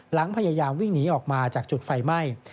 หลังพยายามวิ่งหนีออกมาจากจุดไฟไหม้